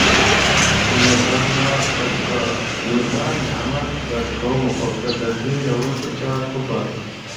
نو دا نعمت درکوم، خو که د دي نه وروسته چا کفر